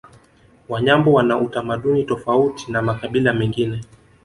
Wanyambo wana utamaduni tofauti na makabila mengine